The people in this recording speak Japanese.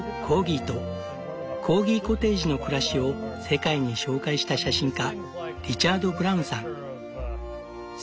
コーギコテージの暮らしを世界に紹介した写真家リチャード・ブラウンさん。